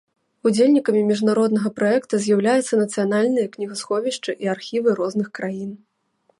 Удзельнікамі міжнароднага праекта з'яўляюцца нацыянальныя кнігасховішчы і архівы розных краін.